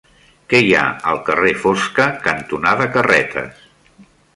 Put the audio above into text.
Què hi ha al carrer Fosca cantonada Carretes?